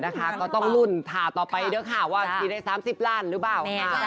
ก็ต้องรุ่นถ่าต่อไปด้วยค่ะว่าฉีดได้๓๐ล้านหรือเปล่า